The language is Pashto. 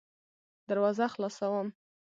دروازه خلاصوم .